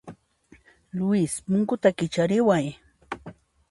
Luis, punkuta kichariway.